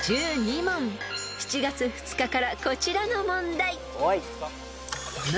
［７月２日からこちらの問題］